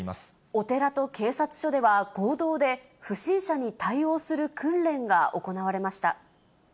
お寺と警察署では、合同で不審者に対応する訓練が行われました。